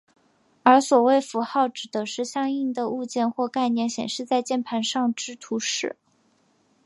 而所谓符号指的是相应的物件或概念显示在键盘上之图示。